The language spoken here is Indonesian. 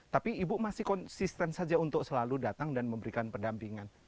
tapi ibu masih konsisten saja untuk selalu datang dan memberikan pendampingan